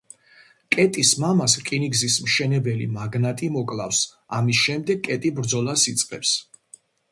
კეტის მამას რკინიგზის მშენებელი მაგნატი მოკლავს, ამის შემდეგ კეტი ბრძოლას იწყებს.